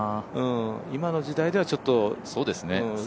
今の時代ではちょっと。